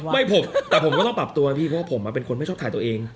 ไม่ผมแต่ผมก็ต้องปรับตัวพี่เพราะว่าผมเป็นคนไม่ชอบถ่ายตัวเอง